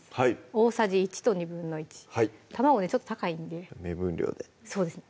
大さじ１と１／２卵ねちょっと高いんで目分量でそうですね